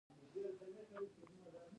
په دې کې متغیره او ثابته پانګه شامله ده